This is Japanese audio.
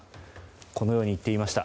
このように言っていました。